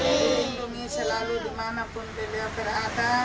dilindungi selalu dimanapun beliau berada